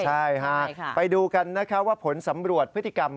ใช่ค่ะไปดูกันนะคะว่าผลสำรวจพฤติกรรม